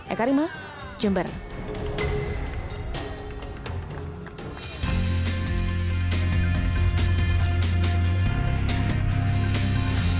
eka rima jember